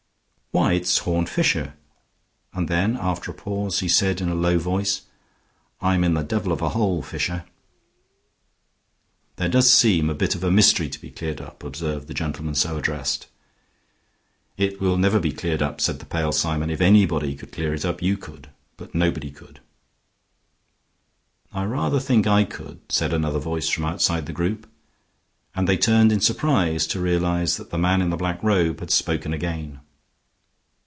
"Why it's Horne Fisher!" and then after a pause he said in a low voice, "I'm in the devil of a hole, Fisher." "There does seem a bit of a mystery to be cleared up," observed the gentleman so addressed. "It will never be cleared up," said the pale Symon. "If anybody could clear it up, you could. But nobody could." "I rather think I could," said another voice from outside the group, and they turned in surprise to realize that the man in the black robe had spoken again.